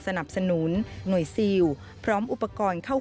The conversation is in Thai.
สวัสดีครับ